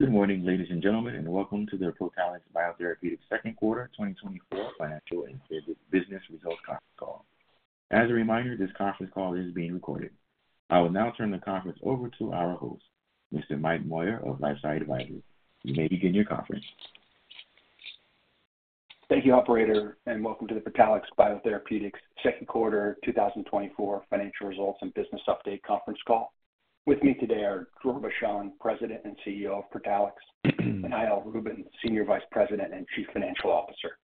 Good morning, ladies and gentlemen, and welcome to the Protalix BioTherapeutics second quarter 2024 Financial and Business Results Conference Call. As a reminder, this conference call is being recorded. I will now turn the conference over to our host, Mr. Mike Moyer of LifeSci Advisors. You may begin your conference. Thank you, operator, and welcome to the Protalix BioTherapeutics second quarter 2024 financial results and business update conference call. With me today are Dror Bashan, President and CEO of Protalix, and Eyal Rubin, Senior Vice President and Chief Financial Officer.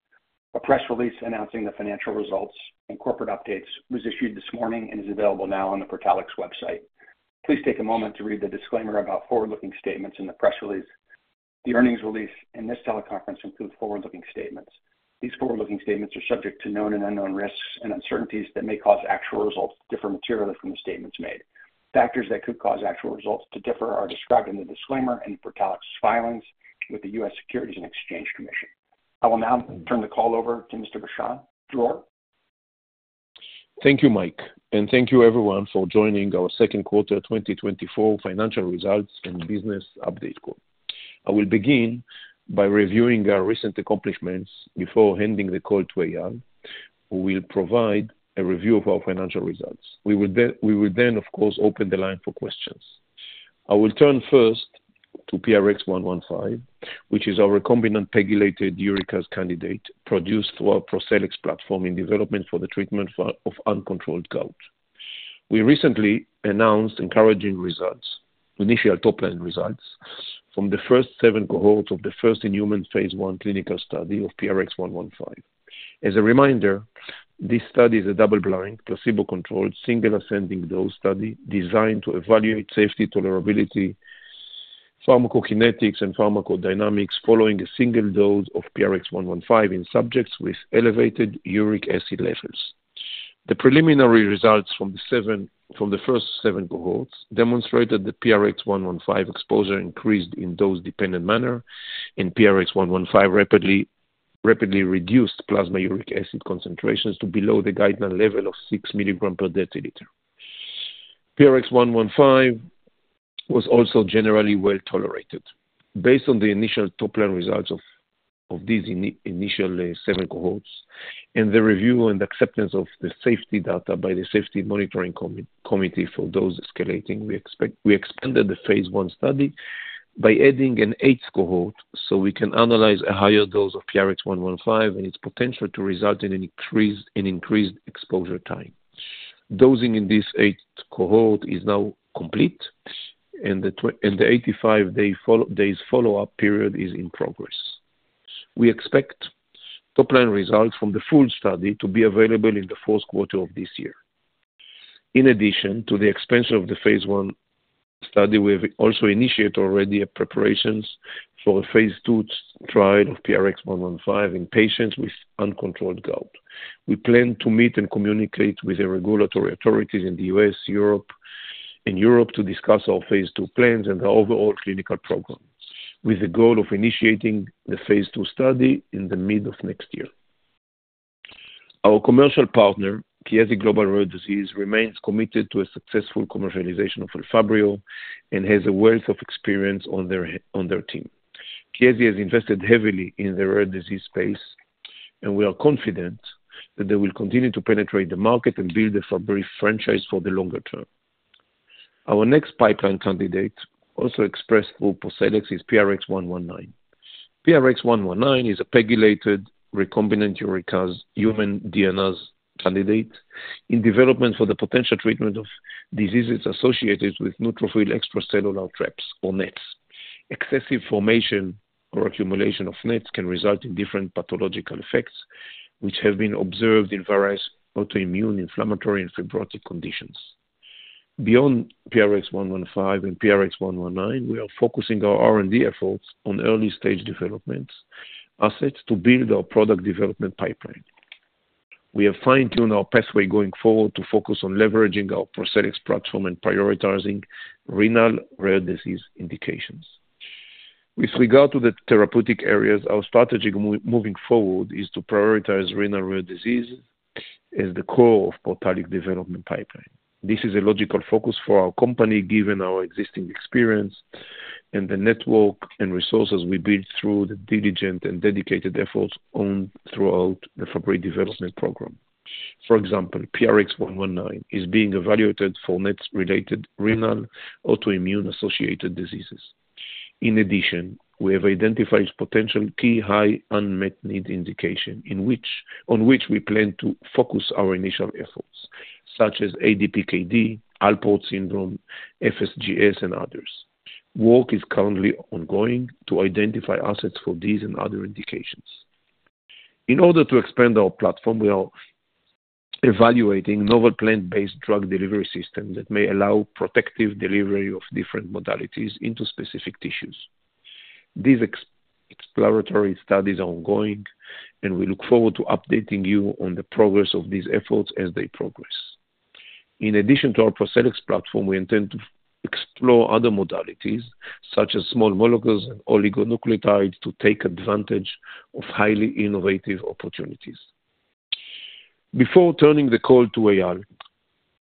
A press release announcing the financial results and corporate updates was issued this morning and is available now on the Protalix website. Please take a moment to read the disclaimer about forward-looking statements in the press release. The earnings release and this teleconference include forward-looking statements. These forward-looking statements are subject to known and unknown risks and uncertainties that may cause actual results to differ materially from the statements made. Factors that could cause actual results to differ are described in the disclaimer in Protalix's filings with the U.S. Securities and Exchange Commission. I will now turn the call over to Mr. Bashan. Dror? Thank you, Mike, and thank you everyone for joining our second quarter 2024 financial results and business update call. I will begin by reviewing our recent accomplishments before handing the call to Eyal, who will provide a review of our financial results. We will then, of course, open the line for questions. I will turn first to PRX-115, which is our recombinant pegylated uricase candidate, produced through our ProCellEx platform in development for the treatment of uncontrolled gout. We recently announced encouraging results, initial top-line results from the first seven cohorts of the first-in-humanphase I, clinical study of PRX-115. As a reminder, this study is a double-blind, placebo-controlled, single-ascending dose study designed to evaluate safety, tolerability, pharmacokinetics, and pharmacodynamics following a single dose of PRX-115 in subjects with elevated uric acid levels. The preliminary results from the first seven cohorts demonstrated that PRX-115 exposure increased in dose-dependent manner, and PRX-115 rapidly reduced plasma uric acid concentrations to below the guideline level of six milligrams per deciliter. PRX-115 was also generally well-tolerated. Based on the initial top-line results of these initial seven cohorts and the review and acceptance of the safety data by the Safety Monitoring Committee for dose escalating, we expanded the phase I study by adding 1/8 cohort so we can analyze a higher dose of PRX-115 and its potential to result in an increased exposure time. Dosing in this eighth cohort is now complete, and the 85-day follow-up period is in progress. We expect top-line results from the full study to be available in the fourth quarter of this year. In addition to the expansion of the phase I study, we have also initiated already preparations for a phase II trial of PRX-115 in patients with uncontrolled gout. We plan to meet and communicate with the regulatory authorities in the US, Europe, and Brazil to discuss our phase II plans and our overall clinical program, with the goal of initiating the phase II study in the mid of next year. Our commercial partner, Chiesi Global Rare Disease, remains committed to a successful commercialization of Elfabrio and has a wealth of experience on their team. Chiesi has invested heavily in the rare disease space, and we are confident that they will continue to penetrate the market and build the Fabry franchise for the longer term. Our next pipeline candidate, also expressed through ProCellEx, is PRX-119. PRX-119 is a pegylated recombinant human DNase candidate in development for the potential treatment of diseases associated with neutrophil extracellular traps or NETs. Excessive formation or accumulation of NETs can result in different pathological effects, which have been observed in various autoimmune, inflammatory, and fibrotic conditions. Beyond PRX-115 and PRX-119, we are focusing our R&D efforts on early-stage development assets to build our product development pipeline. We have fine-tuned our pathway going forward to focus on leveraging our ProCellEx platform and prioritizing renal rare disease indications. With regard to the therapeutic areas, our strategy moving forward is to prioritize renal rare disease as the core of Protalix development pipeline. This is a logical focus for our company, given our existing experience and the network and resources we built through the diligent and dedicated efforts throughout the Fabry development program. For example, PRX-119 is being evaluated for NETs-related renal autoimmune-associated diseases. In addition, we have identified potential key high unmet need indication, on which we plan to focus our initial efforts, such as ADPKD, Alport syndrome, FSGS, and others. Work is currently ongoing to identify assets for these and other indications. In order to expand our platform, we are evaluating novel plant-based drug delivery system that may allow protective delivery of different modalities into specific tissues. These exploratory studies are ongoing, and we look forward to updating you on the progress of these efforts as they progress. In addition to our ProCellEx platform, we intend to explore other modalities, such as small molecules and oligonucleotides, to take advantage of highly innovative opportunities. Before turning the call to Eyal,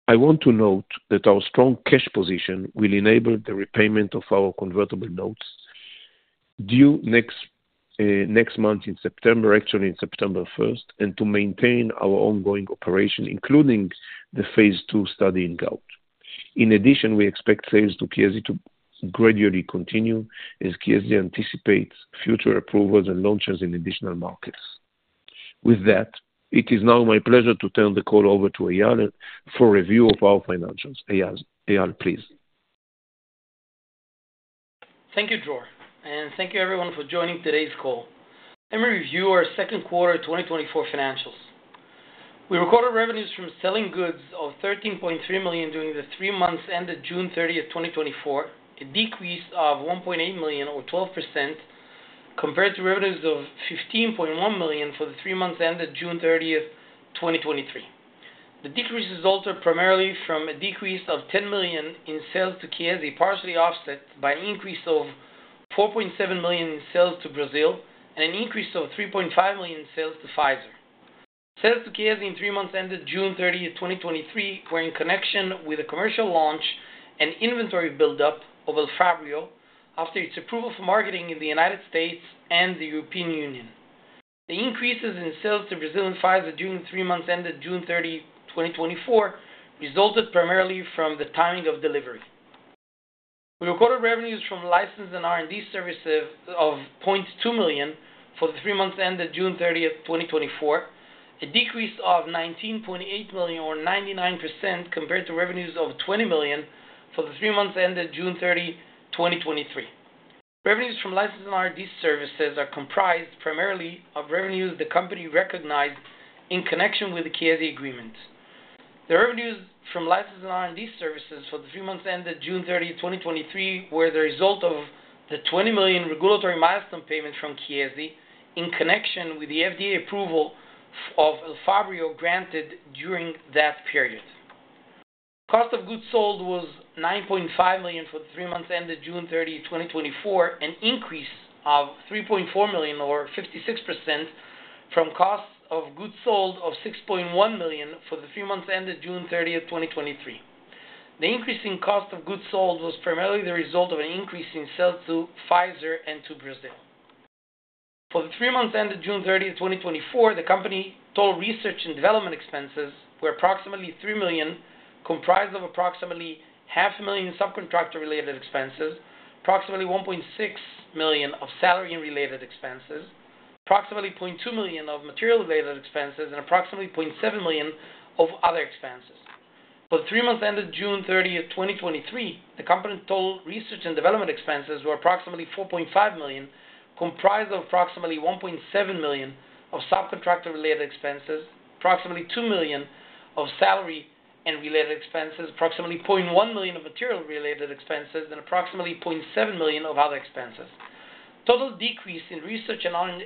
I want to note that our strong cash position will enable the repayment of our convertible notes due next, next month in September, actually in September 1st, and to maintain our ongoing operation, including the phase II study in gout. In addition, we expect sales to Chiesi to gradually continue as Chiesi anticipates future approvals and launches in additional markets. With that, it is now my pleasure to turn the call over to Eyal for review of our financials. Eyal, Eyal, please. Thank you, Dror, and thank you everyone for joining today's call. Let me review our second quarter 2024 financials. We recorded revenues from selling goods of $13.3 million during the three months ended June 30th, 2024, a decrease of $1.8 million, or 12%, compared to revenues of $15.1 million for the three months ended June 30th, 2023. The decrease resulted primarily from a decrease of $10 million in sales to Chiesi, partially offset by an increase of $4.7 million in sales to Brazil, and an increase of $3.5 million in sales to Pfizer. Sales to Chiesi in three months, ended June 30th, 2023, were in connection with a commercial launch and inventory buildup of Elfabrio after its approval for marketing in the United States and the European Union. The increases in sales to Brazil and Pfizer during the three months ended June 30th, 2024, resulted primarily from the timing of delivery. We recorded revenues from license and R&D services of $0.2 million for the three months ended June 30th, 2024, a decrease of $19.8 million, or 99%, compared to revenues of $20 million for the three months ended June 30th, 2023. Revenues from license and R&D services are comprised primarily of revenues the company recognized in connection with the Chiesi agreement. The revenues from license and R&D services for the three months ended June 30th, 2023, were the result of the $20 million regulatory milestone payment from Chiesi in connection with the FDA approval of Elfabrio, granted during that period. Cost of goods sold was $9.5 million for the three months ended June 30th, 2024, an increase of $3.4 million, or 56%, from cost of goods sold of $6.1 million for the three months ended June 30th, 2023. The increase in cost of goods sold was primarily the result of an increase in sales to Pfizer and to Brazil. For the three months ended June 30th, 2024, the Company's total research and development expenses were approximately $3 million, comprised of approximately $0.5 million subcontractor-related expenses, approximately $1.6 million of salary and related expenses, approximately $0.2 million of material-related expenses, and approximately $0.7 million of other expenses. For the three months ended June 30th, 2023, the company total research and development expenses were approximately $4.5 million, comprised of approximately $1.7 million of subcontractor-related expenses, approximately $2 million of salary and related expenses, approximately $0.1 million of material-related expenses, and approximately $0.7 million of other expenses. Total decrease in research and R&D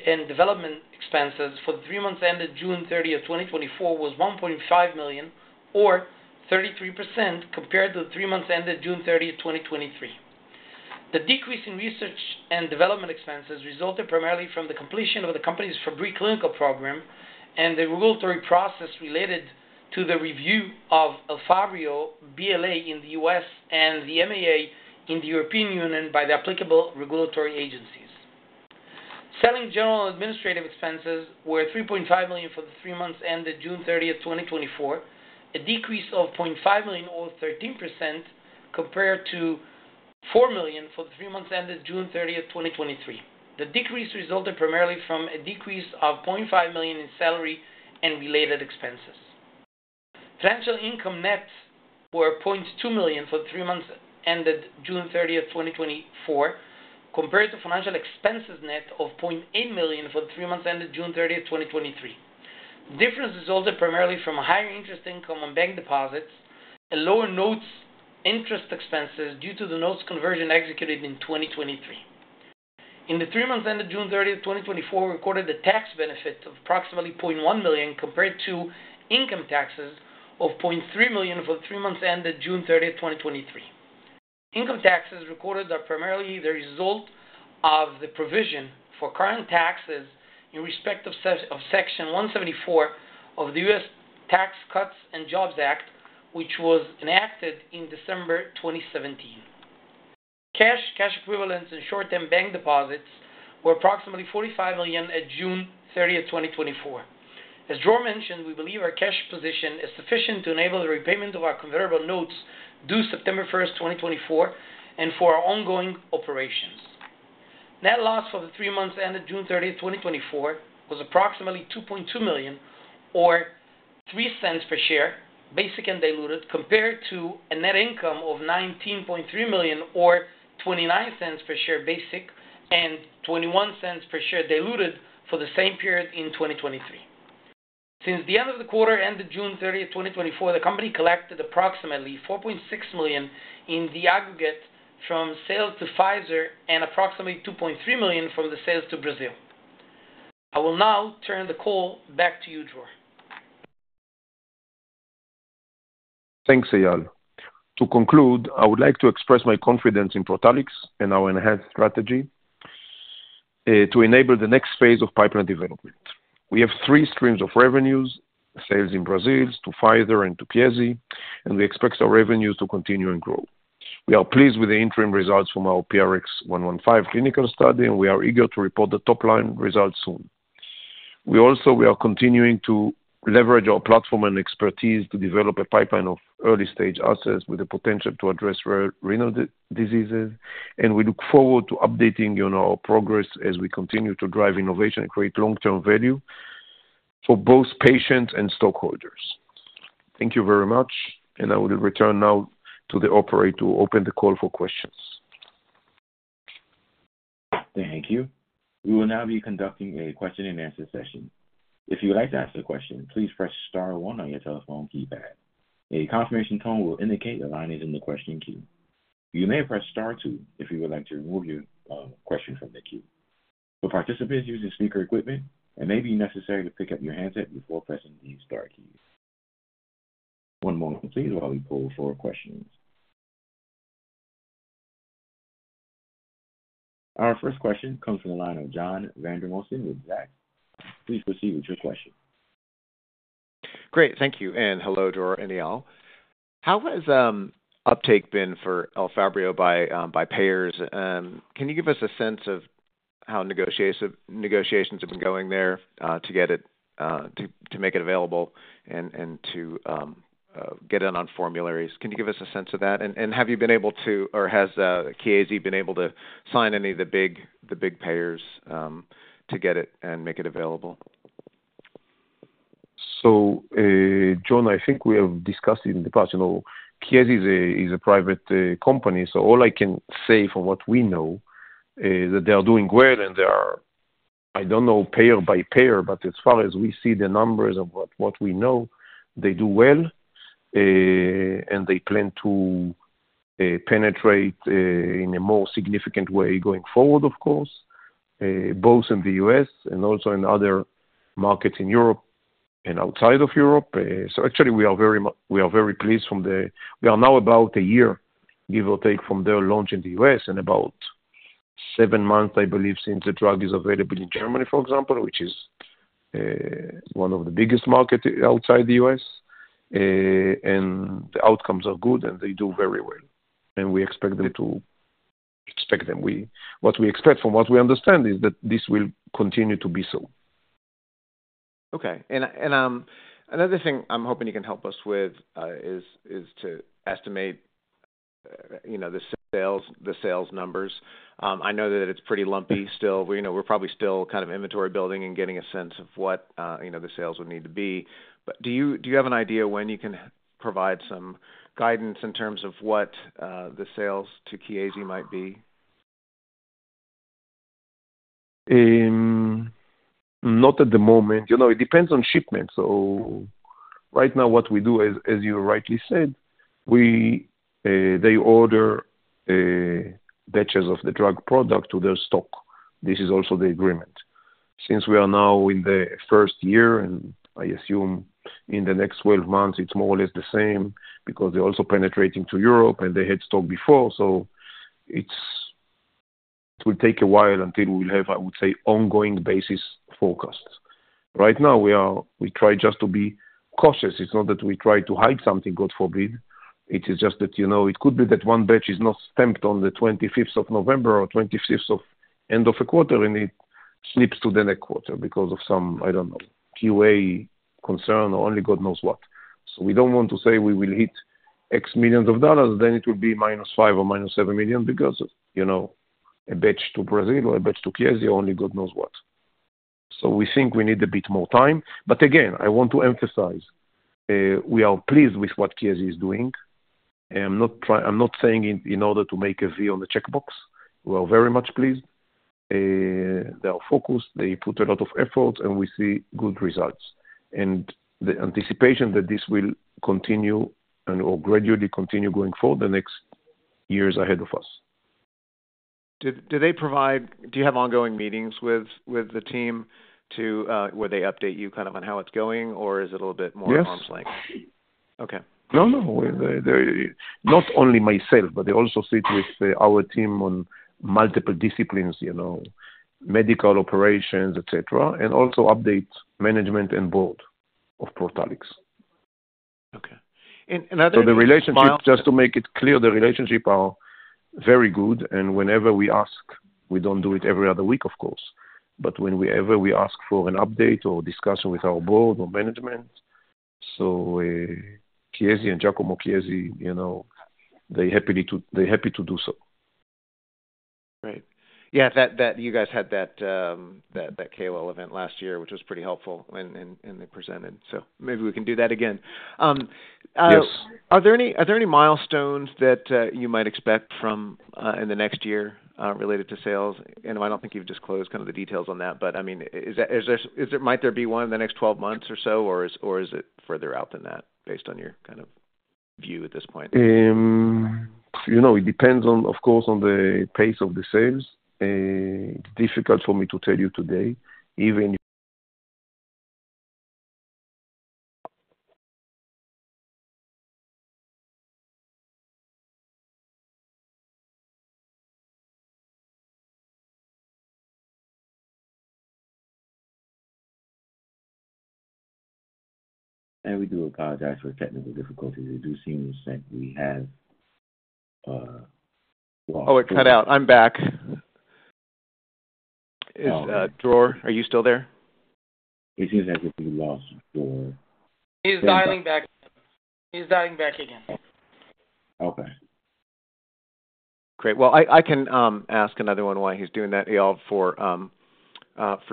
expenses for the three months ended June 30th, 2024, was $1.5 million, or 33%, compared to the three months ended June 30th, 2023. The decrease in research and development expenses resulted primarily from the completion of the company's Fabry clinical program and the regulatory process related to the review of Elfabrio BLA in the U.S. and the MAA in the European Union by the applicable regulatory agencies. Selling general administrative expenses were $3.5 million for the three months ended June 30th, 2024, a decrease of $0.5 million, or 13%, compared to $4 million for the three months ended June 30th, 2023. The decrease resulted primarily from a decrease of $0.5 million in salary and related expenses. Financial income net were $0.2 million for three months, ended June 30th, 2024, compared to financial expenses net of $0.8 million for the three months ended June 30th, 2023. Difference resulted primarily from a higher interest income on bank deposits and lower notes interest expenses due to the notes conversion executed in 2023. In the three months ended June 30th, 2024, we recorded a tax benefit of approximately $0.1 million, compared to income taxes of $0.3 million for the three months ended June 30th, 2023. Income taxes recorded are primarily the result of the provision for current taxes in respect of Section 174 of the U.S. Tax Cuts and Jobs Act, which was enacted in December 2017. Cash, cash equivalents and short-term bank deposits were approximately $45 million at June 30th, 2024. As Dror mentioned, we believe our cash position is sufficient to enable the repayment of our convertible notes due September 1st, 2024, and for our ongoing operations. Net loss for the three months ended June 30th, 2024, was approximately $2.2 million, or $0.03 per share, basic and diluted, compared to a net income of $19.3 million, or $0.29 per share basic and $0.21 per share diluted for the same period in 2023. Since the end of the quarter ended June 30th, 2024, the company collected approximately $4.6 million in the aggregate from sales to Pfizer and approximately $2.3 million from the sales to Brazil. I will now turn the call back to you, Dror. ...Thanks, Eyal. To conclude, I would like to express my confidence in Protalix and our enhanced strategy to enable the next phase of pipeline development. We have three streams of revenues, sales in Brazil, to Pfizer and to Chiesi, and we expect our revenues to continue and grow. We are pleased with the interim results from our PRX-115 clinical study, and we are eager to report the top line results soon. We also, we are continuing to leverage our platform and expertise to develop a pipeline of early-stage assets with the potential to address rare renal diseases, and we look forward to updating you on our progress as we continue to drive innovation and create long-term value for both patients and stockholders. Thank you very much, and I will return now to the operator to open the call for questions. Thank you. We will now be conducting a question-and-answer session. If you would like to ask a question, please press star one on your telephone keypad. A confirmation tone will indicate your line is in the question queue. You may press star two if you would like to remove your question from the queue. For participants using speaker equipment, it may be necessary to pick up your handset before pressing the star key. One moment, please, while we pull for questions. Our first question comes from the line of John Vandermosten with Zacks. Please proceed with your question. Great, thank you, and hello to all. How has uptake been for Elfabrio by payers? Can you give us a sense of how negotiations have been going there to get it to make it available and to get in on formularies? Can you give us a sense of that? And have you been able to, or has Chiesi been able to sign any of the big payers to get it and make it available? So, John, I think we have discussed in the past, you know, Chiesi is a private company, so all I can say from what we know is that they are doing well, and they are, I don't know, payer by payer, but as far as we see the numbers of what we know, they do well, and they plan to penetrate in a more significant way going forward, of course, both in the U.S. and also in other markets in Europe and outside of Europe. So actually we are very pleased from the... We are now about a year, give or take, from their launch in the U.S., and about seven months, I believe, since the drug is available in Germany, for example, which is one of the biggest market outside the U.S. The outcomes are good, and they do very well, and we expect them to expect them. What we expect from what we understand is that this will continue to be so. Okay. Another thing I'm hoping you can help us with is to estimate, you know, the sales, the sales numbers. I know that it's pretty lumpy still. We know we're probably still kind of inventory building and getting a sense of what, you know, the sales would need to be. But do you have an idea when you can provide some guidance in terms of what the sales to Chiesi might be? Not at the moment. You know, it depends on shipment. So right now, what we do, as you rightly said, we, they order batches of the drug product to their stock. This is also the agreement. Since we are now in the first year, and I assume in the next 12 months it's more or less the same, because they're also penetrating to Europe, and they had stock before, so it will take a while until we'll have, I would say, ongoing basis forecasts. Right now we try just to be cautious. It's not that we try to hide something, God forbid, it is just that, you know, it could be that one batch is not stamped on the 25th of November or 25th at end of a quarter, and it slips to the next quarter because of some, I don't know, QA concern, or only God knows what. So we don't want to say we will hit X million dollars, then it will be -$5 million or -$7 million because, you know, a batch to Brazil or a batch to Chiesi, only God knows what. So we think we need a bit more time, but again, I want to emphasize, we are pleased with what Chiesi is doing. I'm not saying in order to make a V on the checkbox. We are very much pleased. They are focused, they put a lot of effort, and we see good results. The anticipation that this will continue and will gradually continue going forward, the next years ahead of us. Do you have ongoing meetings with the team to where they update you kind of on how it's going, or is it a little bit more arm's length? Yes. Okay. No, no. They, they... Not only myself, but they also sit with our team on multiple disciplines, you know, medical operations, etc., and also update management and board of Protalix. Okay. And other- So the relationship, just to make it clear, the relationship are very good, and whenever we ask, we don't do it every other week, of course, but whenever we ask for an update or discussion with our board or management, so, Chiesi and Giacomo Chiesi, you know, they're happy to do so. Great. Yeah, that you guys had that KOL event last year, which was pretty helpful and they presented, so maybe we can do that again. Yes. Are there any milestones that you might expect in the next year related to sales? I don't think you've disclosed kind of the details on that, but I mean, might there be one in the next 12 months or so, or is it further out than that based on your kind of view at this point? You know, it depends on, of course, on the pace of the sales. It's difficult for me to tell you today, even if-... We do apologize for the technical difficulties. It does seem that we have. Oh, it cut out. I'm back. Is, Dror, are you still there? It seems like we lost Dror. He's dialing back. He's dialing back again. Okay. Great. Well, I can ask another one while he's doing that, Eyal, for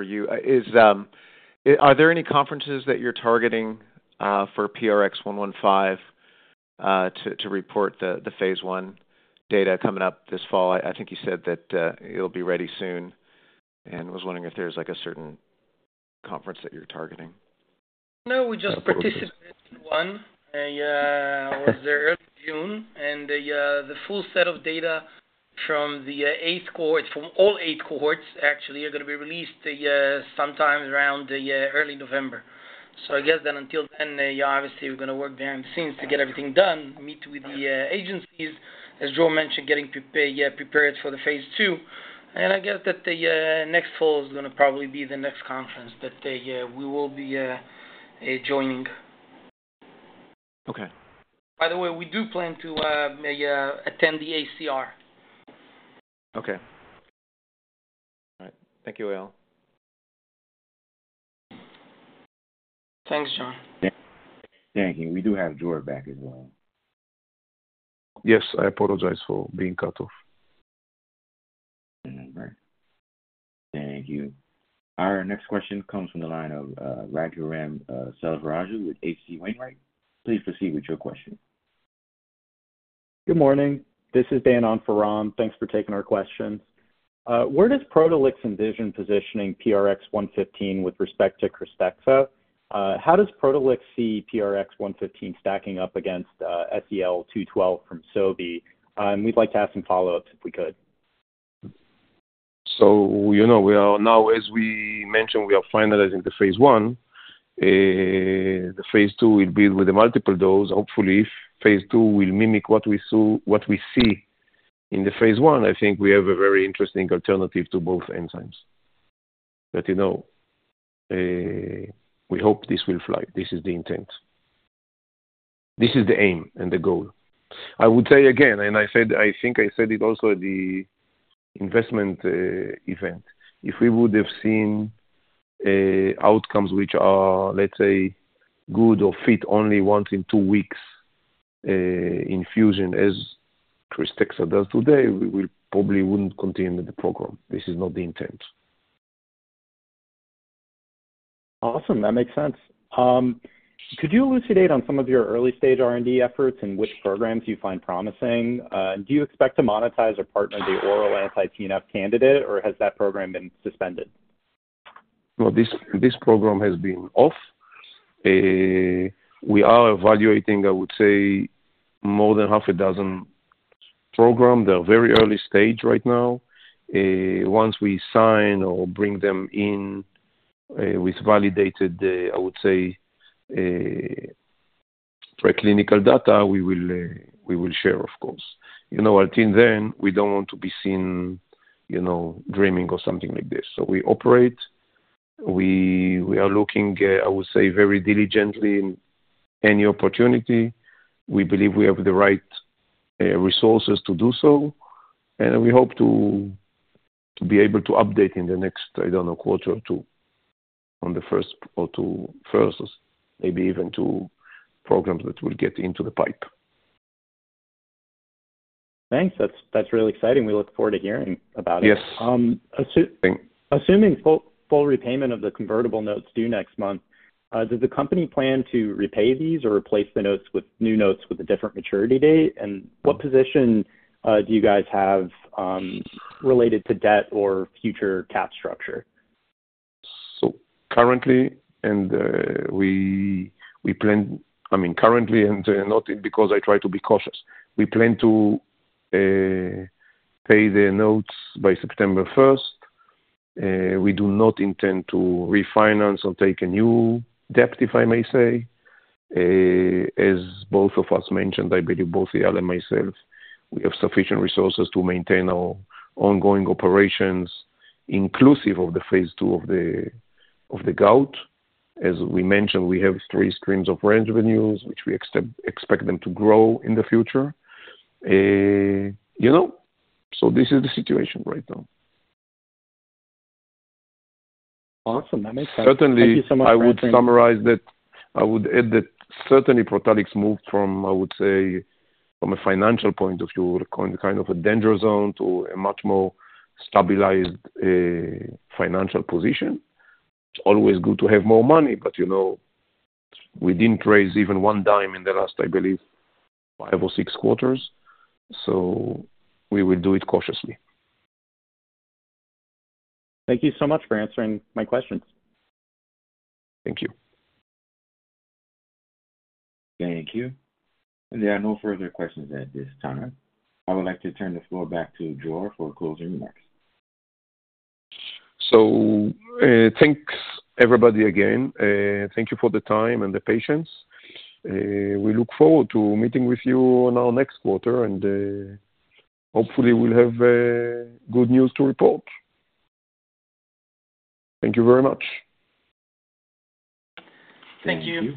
you. Are there any conferences that you're targeting for PRX-115 to report the phase I data coming up this fall? I think you said that it'll be ready soon, and was wondering if there's, like, a certain conference that you're targeting. No, we just participated in one. Yeah, it was there early June, and the full set of data from the eighth cohort, from all eight cohorts, actually, are gonna be released sometime around the early November. So I guess then until then, obviously, we're gonna work behind the scenes to get everything done, meet with the agencies. As Dror mentioned, getting prepared for the phase II, and I guess that the next fall is gonna probably be the next conference that we will be joining. Okay. By the way, we do plan to attend the ACR. Okay. All right. Thank you, Eyal. Thanks, John. Thank you. We do have Dror back as well. Yes. I apologize for being cut off. All right. Thank you. Our next question comes from the line of Raghuram Selvaraju with H.C. Wainwright. Please proceed with your question. Good morning. This is Dan Efron. Thanks for taking our questions. Where does Protalix envision positioning PRX-115 with respect to KRYSTEXXA? How does Protalix see PRX-115 stacking up against SEL-212 from Sobi? And we'd like to ask some follow-ups, if we could. So, you know, we are now, as we mentioned, we are finalizing the phase I. The phase II will be with the multiple dose. Hopefully, if phase II will mimic what we saw - what we see in the phase I, I think we have a very interesting alternative to both enzymes. But, you know, we hope this will fly. This is the intent. This is the aim and the goal. I would say again, and I said, I think I said it also at the investment event. If we would have seen outcomes which are, let's say, good or fit only once in two weeks infusion, as KRYSTEXXA does today, we will probably wouldn't continue with the program. This is not the intent. Awesome. That makes sense. Could you elucidate on some of your early-stage R&D efforts and which programs you find promising? And do you expect to monetize or partner the oral anti-TNF candidate, or has that program been suspended? Well, this program has been off. We are evaluating, I would say, more than half a dozen program. They're very early stage right now. Once we sign or bring them in, with validated, I would say, preclinical data, we will, we will share, of course. You know, until then, we don't want to be seen, you know, dreaming or something like this. So we operate. We are looking, I would say, very diligently in any opportunity. We believe we have the right resources to do so, and we hope to be able to update in the next, I don't know, quarter or two, on the first or two firsts, maybe even two programs that will get into the pipeline. Thanks. That's really exciting. We look forward to hearing about it. Yes. Assuming full repayment of the convertible notes due next month, does the company plan to repay these or replace the notes with new notes with a different maturity date? And what position do you guys have related to debt or future cap structure? So currently, I mean, currently, and not because I try to be cautious. We plan to pay the notes by September first. We do not intend to refinance or take a new debt, if I may say. As both of us mentioned, I believe both Eyal and myself, we have sufficient resources to maintain our ongoing operations, inclusive of the phase II of the gout. As we mentioned, we have three streams of range revenues, which we expect them to grow in the future. You know, so this is the situation right now. Awesome. That makes sense. Certainly- Thank you so much for- I would summarize that. I would add that certainly Protalix moved from, I would say, from a financial point of view, kind of a danger zone to a much more stabilized financial position. It's always good to have more money, but, you know, we didn't raise even one dime in the last, I believe, five or six quarters, so we will do it cautiously. Thank you so much for answering my questions. Thank you. Thank you. There are no further questions at this time. I would like to turn the floor back to Dror for closing remarks. So, thanks everybody again, thank you for the time and the patience. We look forward to meeting with you on our next quarter, and hopefully we'll have good news to report. Thank you very much. Thank you. Thank you.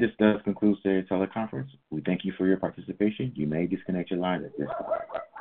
This does conclude today's teleconference. We thank you for your participation. You may disconnect your line at this time.